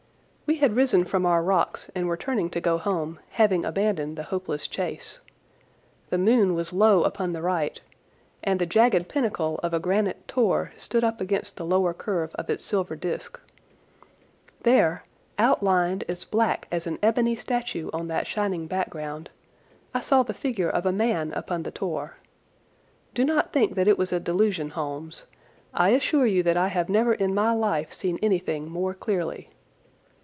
We had risen from our rocks and were turning to go home, having abandoned the hopeless chase. The moon was low upon the right, and the jagged pinnacle of a granite tor stood up against the lower curve of its silver disc. There, outlined as black as an ebony statue on that shining background, I saw the figure of a man upon the tor. Do not think that it was a delusion, Holmes. I assure you that I have never in my life seen anything more clearly.